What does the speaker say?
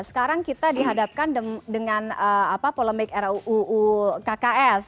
sekarang kita dihadapkan dengan polemik ruu kks